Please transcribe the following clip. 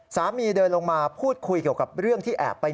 เดินลงมาพูดคุยเกี่ยวกับเรื่องที่แอบไป